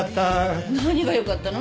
何がよかったの？